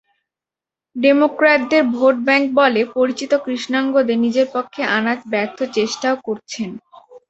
ডেমোক্র্যাটদের vote bank বলে পরিচিত কৃষ্ণাঙ্গদের নিজের পক্ষে আনার ব্যর্থ চেষ্টাও করছেন।